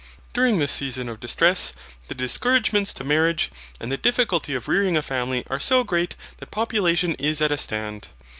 During this season of distress, the discouragements to marriage, and the difficulty of rearing a family are so great that population is at a stand.